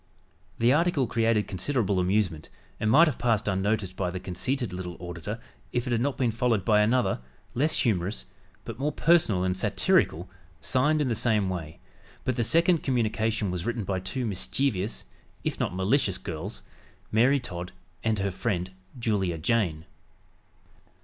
The article created considerable amusement and might have passed unnoticed by the conceited little auditor if it had not been followed by another, less humorous, but more personal and satirical, signed in the same way, but the second communication was written by two mischievous (if not malicious) girls Mary Todd and her friend, Julia Jayne.